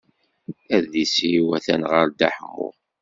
Adlis-iw atan ɣer Dda Ḥemmu.